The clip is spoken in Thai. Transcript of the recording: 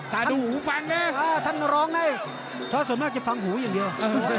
ดูหูฟังนะท่านร้องไงเพราะส่วนมากจะฟังหูอย่างเดียว